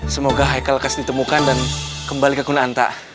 semoga haikal akan ditemukan dan kembali ke kunanta